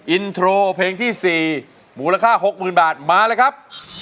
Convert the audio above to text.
อินโทรเพลงที่๔มูลค่า๖๐๐๐บาทมาเลยครับ